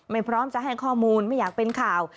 พร้อมจะให้ข้อมูลไม่อยากเป็นข่าว